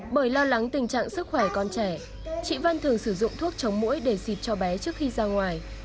bởi lo lắng tình trạng sức khỏe con trẻ chị văn thường sử dụng thuốc chống mũi để xịt cho bé trước khi ra ngoài